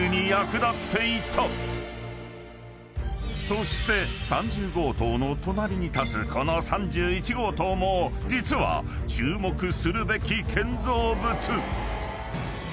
［そして３０号棟の隣に立つこの３１号棟も実は注目するべき建造物］